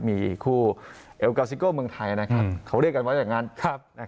มีคู่เอลกาซิโก้เมืองไทยเขาเรียกกันไว้อย่างนั้น